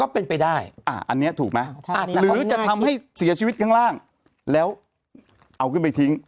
เป็นไปได้อันนี้ถูกไหมหรือจะทำให้เสียชีวิตข้างล่างแล้วเอาขึ้นไปทิ้ง